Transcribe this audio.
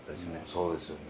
そうですよね。